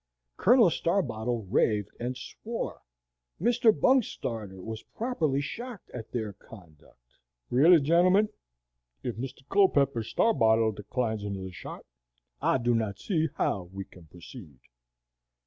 Colonel Starbottle raved and swore. Mr. Bungstarter was properly shocked at their conduct. "Really, gentlemen, if Mr. Culpepper Starbottle declines another shot, I do not see how we can proceed."